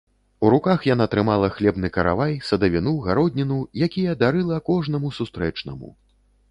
У руках яна трымала хлебны каравай, садавіну, гародніну, якія дарыла кожнаму сустрэчнаму.